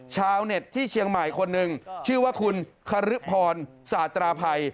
ชาวเน็ตที่เชียงใหม่คนหนึ่งชื่อว่าคุณคาริพรสาตราภัย